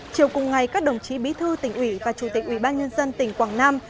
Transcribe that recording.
chiều cùng ngày các đồng chí bí thư tỉnh ủy và chủ tịch ủy ban nhân dân tỉnh quảng nam